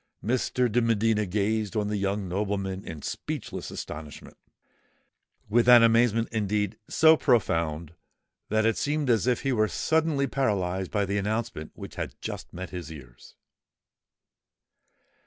Mr. de Medina gazed on the young nobleman in speechless astonishment,—with an amazement, indeed, so profound, that it seemed as if he were suddenly paralysed by the announcement which had just met his ears.